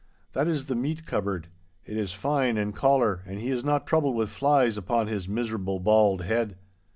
'That is the meat cupboard. It is fine and caller, and he is not troubled with flies upon his miserable bald head.